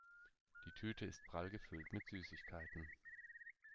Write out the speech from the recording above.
Die Tüte ist prall gefüllt mit Süßigkeiten.